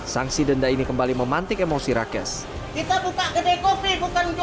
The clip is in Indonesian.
sanksi denda ini kembali memantik emosi rakesh